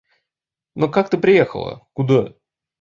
Но как ты приехала, куда?